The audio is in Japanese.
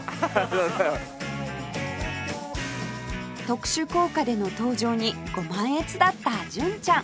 特殊効果での登場にご満悦だった純ちゃん